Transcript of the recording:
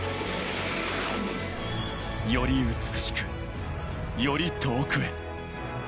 より美しく、より遠くへ。